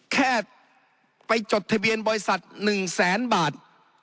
แค่ไปจดทะเบียนบริษัท๑แสนบาท